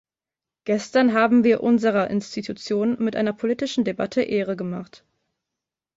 Gestern haben wir unserer Institution mit einer politischen Debatte Ehre gemacht.